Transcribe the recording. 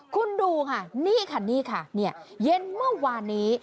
คุณดูค่ะนี่ค่ะนี่ค่ะเย็นเมื่อวานนี้